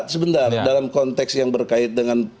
sebentar dalam konteks yang berkait dengan